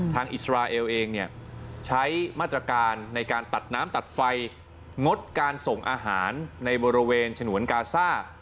อิสราเอลเองใช้มาตรการในการตัดน้ำตัดไฟงดการส่งอาหารในบริเวณฉนวนกาซ่า